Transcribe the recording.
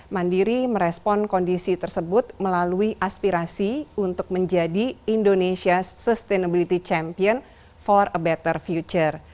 mandiri merespon kondisi tersebut melalui aspirasi untuk menjadi indonesia sustainability champion for a better future